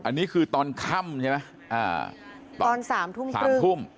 อันนี้คือตอนค่ำใช่ไหมอ่าตอนสามทุ่มครึ่งสามทุ่ม